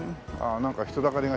なんか人だかりが。